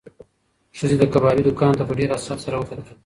ښځې د کبابي دوکان ته په ډېر حسرت سره وکتل.